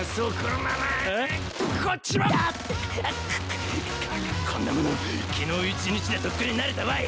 くっここんなもの昨日一日でとっくに慣れたわい！